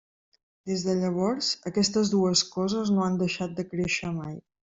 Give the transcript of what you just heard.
Des de llavors, aquestes dues coses no han deixat de créixer mai.